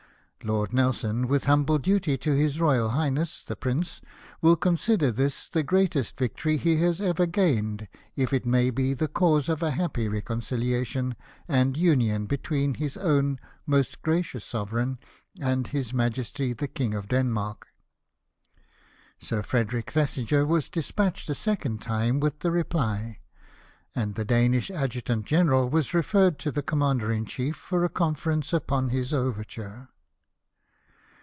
Lord Nelson, with humble duty to His Royal Highness the Prince, will consider this the greatest victory he has ever gained if it may be the cause of a happy reconciliation and union between his own most gracious Sovereign and His Majesty the King of Denmark." Sir Frederick Thesiger was despatched a second time with the reply ; and the Danish Adjutant General was referred to the commander in chief for a conference upon this overture.